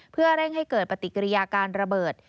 เพื่อเร่งให้เกิดปฏิกิริยาการระเบิด